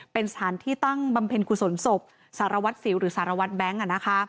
เป็นสถานที่ตั้งบำเพ็ญกุศลศพสารวัตรสิวหรือสารวัตรแบงค์